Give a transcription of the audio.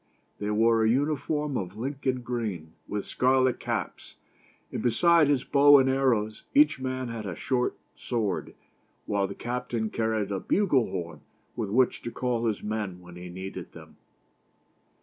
They wore a uniform of Lincoln green, with scarlet caps ; and besides his bow and arrows, each man had a short sword ; while the captain car ried a bugle horn with which to call his men when he needed them.